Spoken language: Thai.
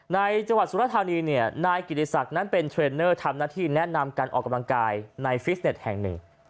จังหวัดสุรธานีเนี่ยนายกิติศักดิ์นั้นเป็นเทรนเนอร์ทำหน้าที่แนะนำการออกกำลังกายในฟิสเน็ตแห่งหนึ่ง